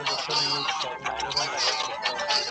پیشوګاني بې غوښي نه مړیږي.